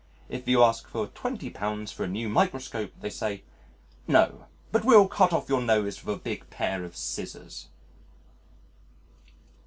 If you ask for twenty pounds for a new microscope they say, "No, but we'll cut off your nose with a big pair of scissors."